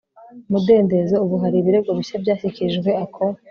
mudendezo Ubu hari ibirego bishya byashyikirijwe ako